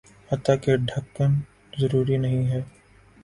حتٰیکہ ڈھکن ضروری نہیں ہیں